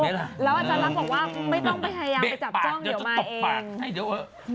แล้วอาจารย์รักบอกว่าไม่ต้องไปพยายามไปจับจ้องเดี๋ยวมาเอง